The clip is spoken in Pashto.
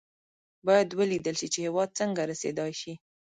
باید ولېدل شي چې هېواد څنګه رسېدای شي.